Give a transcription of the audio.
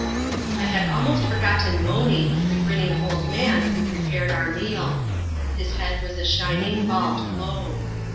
I had almost forgotten Monee, the grinning, old man who prepared our meaL His head was a shining, bald globe.